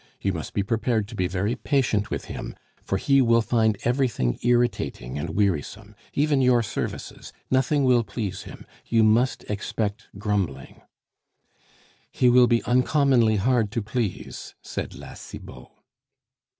You must be prepared to be very patient with him, for he will find everything irritating and wearisome, even your services; nothing will please him; you must expect grumbling " "He will be uncommonly hard to please," said La Cibot.